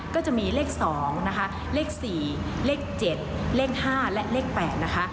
ก็จะมีเลข๒นะคะเลข๔เลข๗เลข๕และเลข๘นะคะ